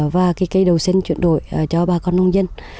và cây đồ xanh chuyển đổi cho bà con nông dân